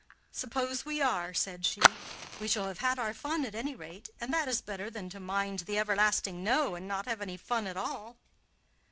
"Suppose we are," said she, "we shall have had our fun at any rate, and that is better than to mind the everlasting 'no' and not have any fun at all."